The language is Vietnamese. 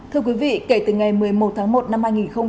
thưa quý vị kể từ ngày một mươi một tháng một năm hai nghìn một mươi chín